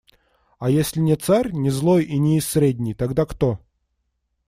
А если не царь, не злой и не из средней, тогда кто?